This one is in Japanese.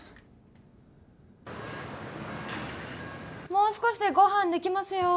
もう少しでご飯できますよ